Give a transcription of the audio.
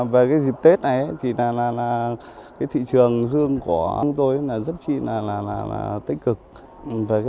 về dịp tết này thị trường hương của chúng tôi rất tích cực